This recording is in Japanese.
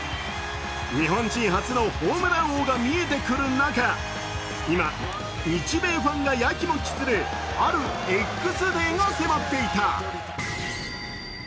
日本人初のホームラン王が見えてくる中、今、日米ファンがやきもきするあるＸデーが迫っていた。